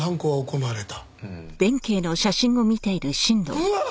うわっ！